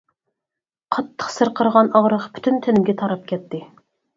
قاتتىق سىرقىرىغان ئاغرىق پۈتۈن تېنىمگە تاراپ كەتتى.